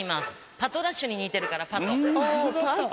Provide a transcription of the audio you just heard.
パトラッシュに似てるからパト。